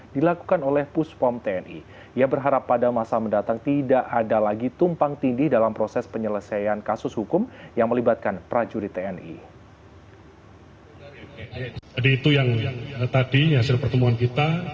dilakukan oleh puspom tni yang berharap pada masa mendatang tidak ada lagi tumpang tindih dalam proses penyelesaian kasus hukum yang melibatkan prajurit tni